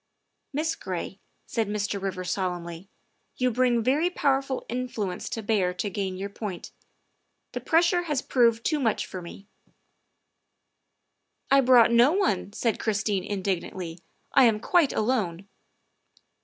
''" Miss Gray," said Mr. Rivers solemnly, " you bring very powerful influence to bear to gain your point. The pressure has proved too much for me." 44 THE WIFE OF " I brought no one," said Christine indignantly, " I am quite alone."